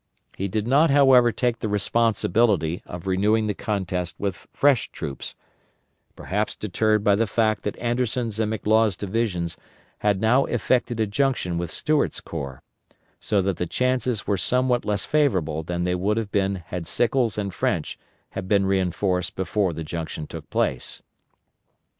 He did not, however, take the responsibility of renewing the contest with fresh troops, perhaps deterred by the fact that Anderson's and McLaws' divisions had now effected a junction with Stuart's corps; so that the chances were somewhat less favorable than they would have been had Sickles and French had been reinforced before the junction took place.